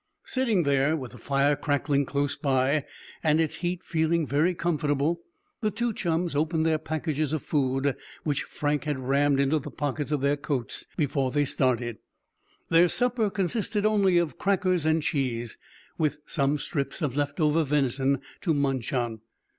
Sitting there, with the fire crackling close by, and its heat feeling very comfortable, the two chums opened the packages of food which Frank had rammed into the pockets of their coats before they started. Their supper consisted of only crackers and cheese, with some strips of left over venison to munch on.